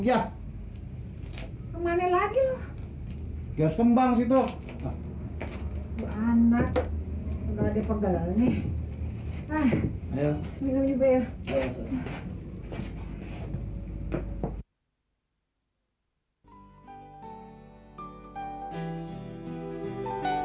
dipeot bisa aja loh ye emang sekarang babel udah tua pangkainya buru buru cepetan kawin